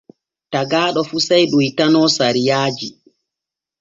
Tagaaɗo fu sey ɗoytano sariyaaji.